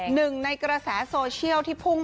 หนึ่งในกระแสโซเชียลที่พุ่ง